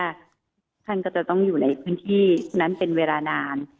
ท่านก็จะต้องอยู่ในพื้นที่นั้นเป็นเวลานาน